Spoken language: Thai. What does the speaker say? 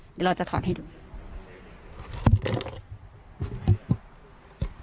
เดี๋ยวเราจะถอดให้ดู